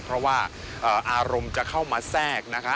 เพราะว่าอารมณ์จะเข้ามาแทรกนะคะ